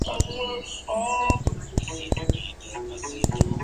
Se compone de doce secciones y quinientos artículos.